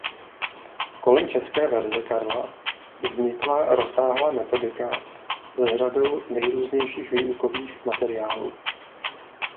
Kolem české verze Karla vznikla rozsáhlá metodika s řadou nejrůznějších výukových materiálů.